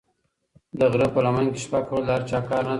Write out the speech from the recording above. د غره په لمن کې شپه کول د هر چا کار نه دی.